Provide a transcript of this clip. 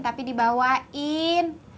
tapi di bawain